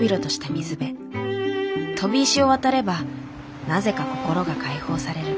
とび石を渡ればなぜか心が解放される。